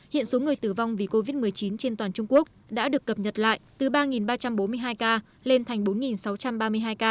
hiện số người tử vong vì covid một mươi chín trên toàn trung quốc đã được cập nhật lại từ ba ba trăm bốn mươi hai ca lên thành bốn sáu trăm ba mươi hai ca